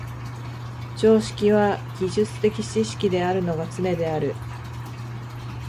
常識は技術的知識であるのがつねである。